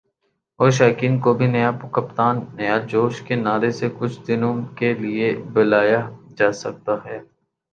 اور شائقین کو بھی "نیا کپتان ، نیا جوش" کے نعرے سے کچھ دنوں کے لیے بہلایا جاسکتا ہے ۔